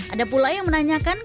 ada pula yang menanyakan